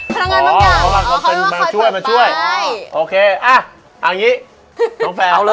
พนักงานบางอย่างเขามาช่วยโอเคอ่ะอังนี้น้องแฟร์เอาเลย